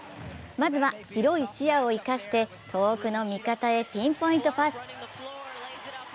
まずは広い視野を生かして遠くの味方へピンポイントパス。